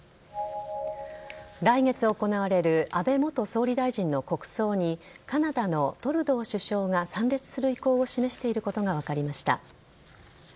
来月行われる安倍元総理大臣の国葬にカナダのトルドー首相が参列する意向を示していることが分かりました。